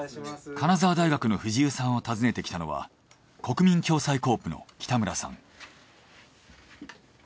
金沢大学の藤生さんを訪ねてきたのはこくみん共済ｃｏｏｐの北村さん。